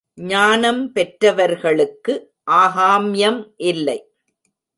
ஞானம் பெற்றவர்களுக்கு ஆகாம்யம் இல்லை.